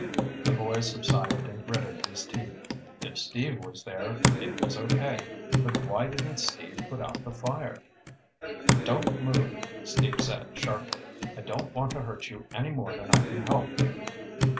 The boy subsided and gritted his teeth. If Steve was there, it was okay. But why didn't Steve put out the fire? "Don't move," Steve said sharply. "I don't want to hurt you any more than I can help."